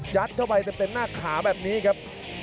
เข้าไปเต็มหน้าขาแบบนี้ครับ